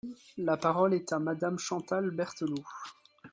La parole est à Madame Chantal Berthelot.